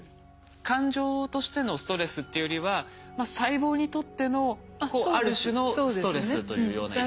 感情としてのストレスっていうよりは細胞にとってのある種のストレスというようなイメージですかね。